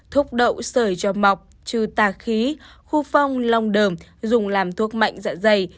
thuốc đậu sợi cho mọc trừ tà khí khu phong long đờm dùng làm thuốc mạnh dạ dày